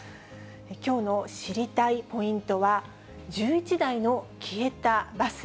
きょうの知りたいポイントは、１１台の消えたバス。